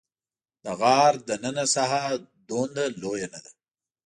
د غار دننه ساحه دومره لویه نه ده.